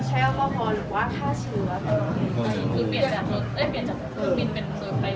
เชลล์ก็พอหรือว่าฆ่าเชื้อ